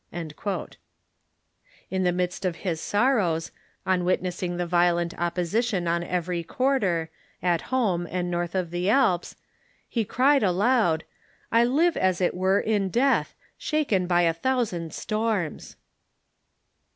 "J In the midst of his sorrows, on witnessing the violent opposition in every quarter, at home and north of the Alps, he cried aloud : "I live as it were in death, shaken by a thousand storms."